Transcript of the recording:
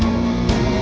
pak aku mau ke sana